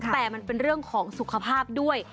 แต่มันเป็นเรื่องของสุขภาพด้วย